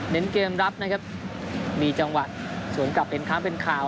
เน้นเกมรับนะครับมีจังหวะส่วนกลับเป็นข้ามเป็นข่าว